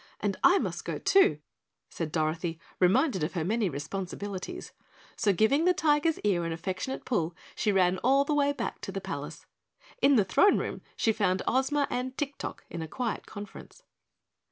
"And I must go, too," said Dorothy, reminded of her many responsibilities. So, giving the Tiger's ear an affectionate pull, she ran all the way back to the palace. In the throne room she found Ozma and Tik Tok in a quiet conference.